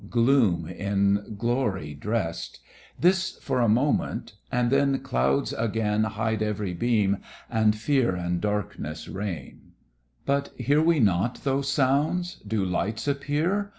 gloom in glory dress'd! This for a moment, and then clouds again Hide every beam, and fear and darkness reign. But hear we not those sounds? Do lights appear?